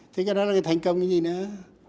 thế cái đó là thành công cái gì nữa